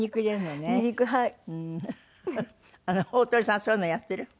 鳳さんはそういうのやってる？